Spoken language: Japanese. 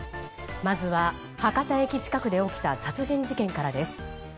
まずは博多駅近くで起きた殺人事件からです。